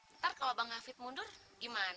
ntar kalo bang hafid mundur gimane